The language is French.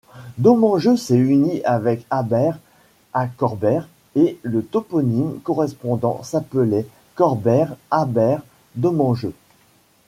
Domengeux s'est unie avec Abère à Corbère et le toponyme correspondant s'appelait Corbères-Abère-Domengeux.